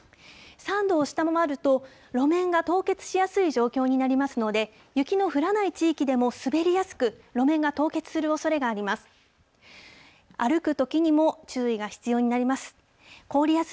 ３度を下回ると路面が凍結しやすい状況になりますので、雪の降らない地域でも滑りやすく、路面が凍結するおそれがあります。